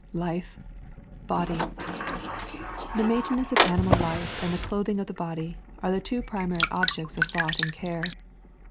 [Li/e...body.'] The maintenance of animal life and the clothing of the body, are the two primary objects of thought and care.